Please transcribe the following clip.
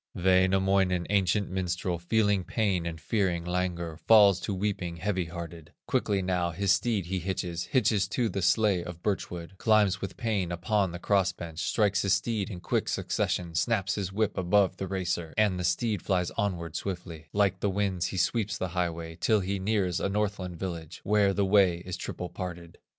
Wainamoinen, ancient minstrel, Feeling pain and fearing languor, Falls to weeping, heavy hearted; Quickly now his steed he hitches, Hitches to the sledge of birch wood, Climbs with pain upon the cross bench, Strikes his steed in quick succession, Snaps his whip above the racer, And the steed flies onward swiftly; Like the winds he sweeps the highway, Till he nears a Northland village, Where the way is triple parted.